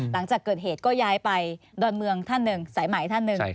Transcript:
หลังจากเกิดเหตุก็ย้ายไปดอนเมืองท่านหนึ่งสายใหม่ท่านหนึ่ง